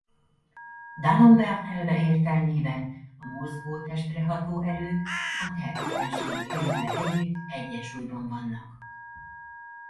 D’Alembert elve értelmében a mozgó testre ható erők a tehetetlenségi erővel együtt egyensúlyban vannak.